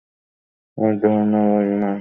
আমার ধারণা, ও ইমা।